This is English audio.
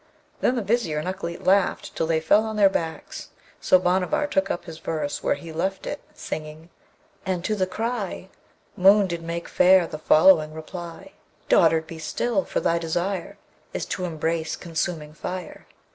Then the Vizier and Ukleet laughed till they fell on their backs; so Bhanavar took up his verse where he left it, singing, And to the cry Moon did make fair the following reply: 'Dotard, be still! for thy desire Is to embrace consuming fire.'